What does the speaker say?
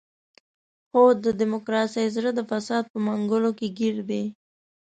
خو د ډیموکراسۍ زړه د فساد په منګولو کې ګیر دی.